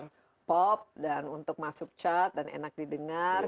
ya jadi bukan hanya sekedar pop dan untuk masuk chat dan enak didengar